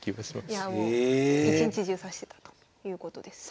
一日中指してたということです。